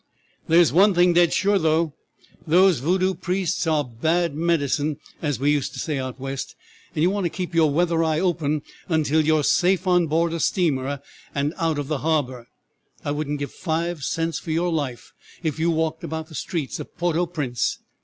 There is one thing dead sure, those Voodoo priests are bad medicine, as we used to say out West, and you want to keep your weather eye open until you are safe on board a steamer and out of the harbor. I wouldn't give five cents for your life if you walked about the streets of Porto Prince.